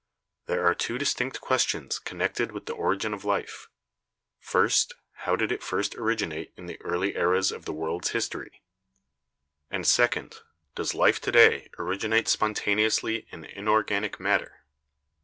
There are two distinct questions connected with the ori gin of life : First, how did it first originate in the early eras of the world's history? and, second, does life to day origi nate spontaneously in inorganic matter?